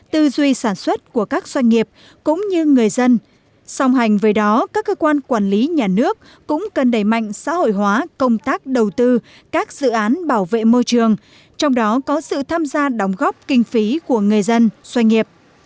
trong đó các cơ quan quản lý nhà nước cũng cần đẩy mạnh xã hội hóa công tác đầu tư các dự án bảo vệ môi trường trong đó có sự tham gia đóng góp kinh phí của người dân doanh nghiệp